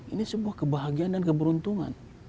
ini sebuah kebahagiaan dan keberuntungan